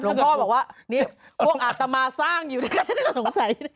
หลวงพ่อบอกว่าพวกอาตมาสร้างอยู่นะครับฉันก็สงสัย